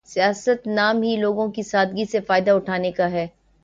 سیاست نام ہی لوگوں کی سادگی سے فائدہ اٹھانے کا ہے۔